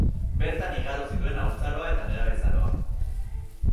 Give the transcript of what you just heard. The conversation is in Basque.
Bertan igaro zituen haurtzaroa eta nerabezaroa.